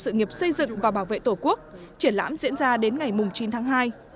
sự nghiệp xây dựng và bảo vệ tổ quốc triển lãm diễn ra đến ngày chín tháng hai